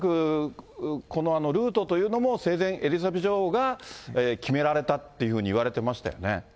恐らくこのルートというのも生前、エリザベス女王が決められたっていうふうに言われてましたよね。